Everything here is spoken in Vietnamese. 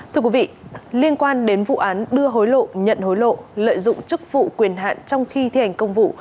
thưa quý vị liên quan đến vụ án đưa hối lộ nhận hối lộ lợi dụng chức vụ quyền hạn trong khi thi hành công vụ